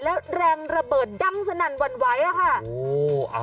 แล้วแรงระเบิดดังสนั่นหวั่นไหวอะค่ะ